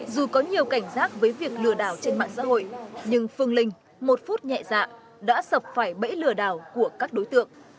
dù có nhiều cảnh giác với việc lừa đảo trên mạng xã hội nhưng phương linh một phút nhẹ dạ đã sập phải bẫy lừa đảo của các đối tượng